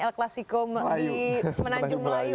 el clasico di semenanjung melayu